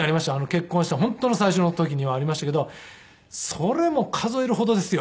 結婚した本当の最初の時にはありましたけどそれも数えるほどですよ。